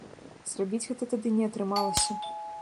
Зрабіць гэта тады не атрымалася.